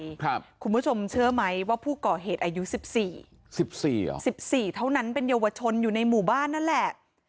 คุณผู้ชมเชื่อไหมว่าผู้ก่อเหตุอายุสิบสี่สิบสี่เหรอสิบสี่เท่านั้นเป็นเยาวชนอยู่ในหมู่บ้านนั่นแหละ